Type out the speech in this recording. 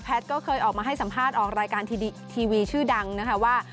ก็เคยออกมาให้สัมภาษณ์ออกรายการทีวีชื่อดังนะคะว่า